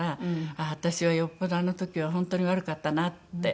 ああ私はよっぽどあの時は本当に悪かったなって。